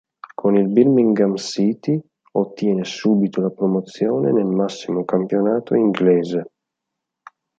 Con il Birmingham City ottiene subito la promozione nel massimo campionato inglese.